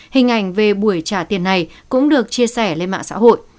hình ảnh về buổi trả tiền này cũng được chia sẻ lên mạng xã hội